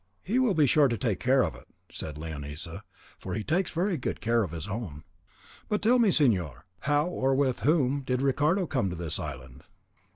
"He will be sure to take care of it," said Leonisa, "for he takes very good care of his own. But tell me, señor, how or with whom did Ricardo come to this island?"